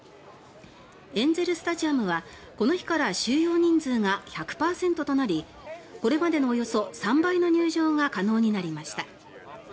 エンゼル・スタジアムはこの日から収容人数が１００％となりこれまでのおよそ３倍の入場が可能になりました。